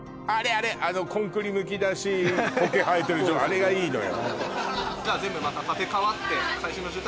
あれあのコンクリむき出しコケ生えてるあれがいいのよ